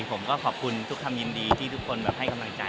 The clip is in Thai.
ผมก็ขอบคุณทุกคำยินดีที่ทุกคนแบบให้กำลังใจ